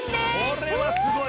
これはすごい。